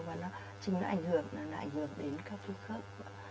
và nó chính là ảnh hưởng đến các khớp